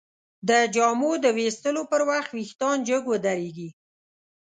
د جامو د ویستلو پر وخت وېښتان جګ ودریږي.